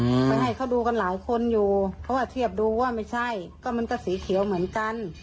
ไปให้เขาดูกันหลายคนอยู่เขาก็เทียบดูว่าไม่ใช่ก็มันก็สีเขียวเหมือนกัน